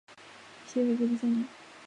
西魏废帝三年。